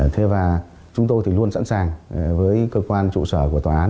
thế và chúng tôi thì luôn sẵn sàng với cơ quan trụ sở của tòa án